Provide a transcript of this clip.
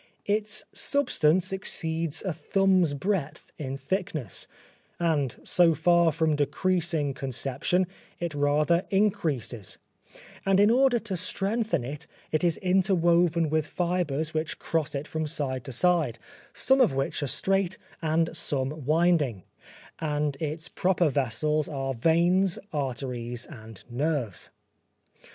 Its substance exceeds a thumb's breadth in thickness, and so far from decreasing conception, it rather increases; and in order to strengthen it it is interwoven with fibres which cross it from side to side, some of which are straight and some winding, and its proper vessels are veins, arteries and nerves.